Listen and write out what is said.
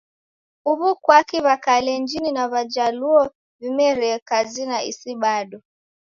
Huw'u kwaki W'akalenjini na W'ajaluo w'imerie kazi na isi bado?